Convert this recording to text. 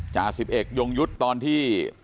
จา๑๑ยงยุทธ์ตอนที่